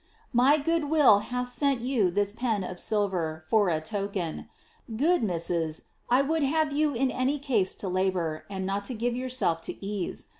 ■ My good will hath sent you this pen of silver for a token. Good Jfn., I would have you in any case to labour, and not to give yourself to ease.